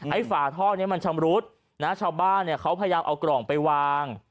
ฝาท่อนี้มันชำรุดนะชาวบ้านเนี่ยเขาพยายามเอากล่องไปวาง